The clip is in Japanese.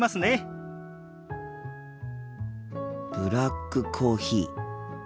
心の声ブラックコーヒー。